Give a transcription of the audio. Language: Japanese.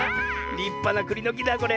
りっぱなくりのきだこれ。